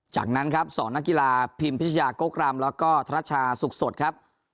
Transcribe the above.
จากนั้นครับ๒นักกีฬาพิมพิชยากกรำแล้วก็ธนชาสุขสดครับ